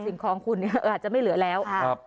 สิ่งของคุณเนี่ยอาจจะไม่เหลือแล้ว